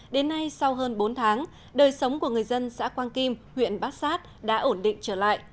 đến nay sau hơn bốn tháng đời sống của người dân xã quang kim huyện bát sát đã ổn định trở lại